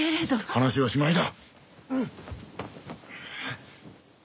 話はしまいだ！